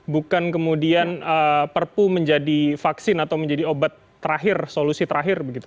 bukan kemudian perpu menjadi vaksin atau menjadi obat terakhir solusi terakhir begitu